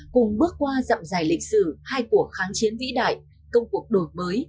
cùng bước qua dặm dài lịch sử hai cuộc kháng chiến vĩ đại công cuộc đổi mới